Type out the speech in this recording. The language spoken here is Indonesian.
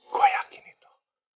gua yakin itu